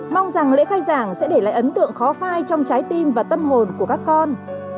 mong rằng lễ khai giảng sẽ để lại ấn tượng khó phai trong trái tim và tâm hồn của các con